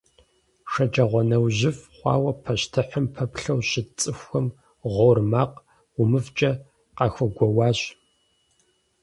ШэджагъуэнэужьыфӀ хъуауэ пащтыхьым пэплъэу щыт цӀыхухэм гъуор макъ гъумыфӀкӀэ къахэгуоуащ.